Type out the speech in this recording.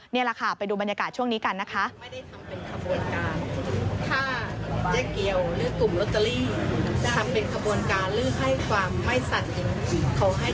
นี่แหละค่ะไปดูบรรยากาศช่วงนี้กันนะคะ